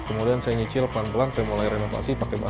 kemudian saya nyicil pelan pelan saya mulai renovasi pakai bahasa